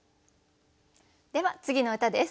では次の歌です。